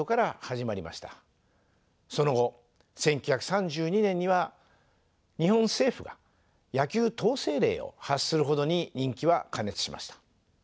その後１９３２年には日本政府が野球統制令を発するほどに人気は過熱しました。